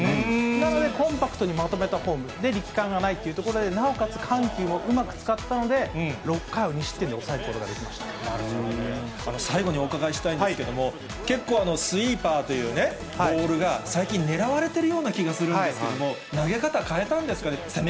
なので、コンパクトにまとめたフォームで力感がないというところで、なおかつ緩急もうまく使ったということで、６回を２失点で抑える最後にお伺いしたいんですけど、結構スイーパーというボールが最近狙われているような気がするんですけれども、投げ方変えたんですね。